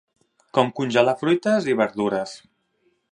Com congelar fruites i verdures.